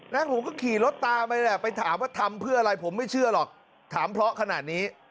ผมก็ขี่รถตามไปแหละไปถามว่าทำเพื่ออะไรผมไม่เชื่อหรอกถามเพราะขนาดนี้